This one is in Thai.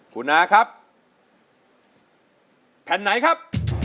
คุณอาครับแผ่นไหนครับ